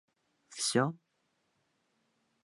Фсе!